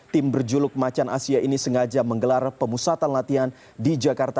tim berjuluk macan asia ini sengaja menggelar pemusatan latihan di jakarta